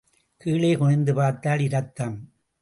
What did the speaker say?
கீழே குனிந்து பார்த்தால் இரத்தம்.